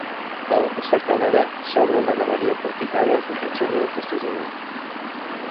A un costat de l'era s'obre una galeria porticada que conserva un festejador.